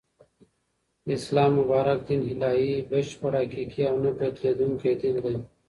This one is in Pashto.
د اسلام مبارک دین الهی ، بشپړ ، حقیقی او نه بدلیدونکی دین دی